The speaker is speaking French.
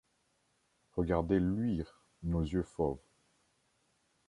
Regardez luire nos yeux fauves !